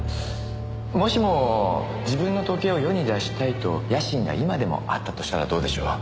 もしも自分の時計を世に出したいと野心が今でもあったとしたらどうでしょう？